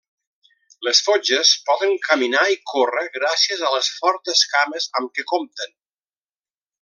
Les fotges poden caminar i córrer gràcies a les fortes cames amb què compten.